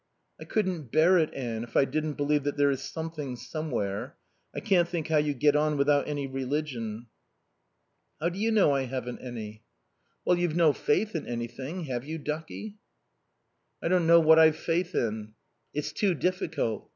"I couldn't bear it, Anne, if I didn't believe that there is Something Somewhere. I can't think how you get on without any religion." "How do you know I haven't any?" "Well, you've no faith in Anything. Have you, ducky?" "I don't know what I've faith in. It's too difficult.